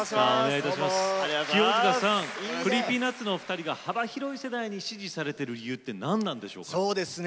清塚さんＣｒｅｅｐｙＮｕｔｓのお二人が幅広い世代に支持されている理由って何なんでしょうか？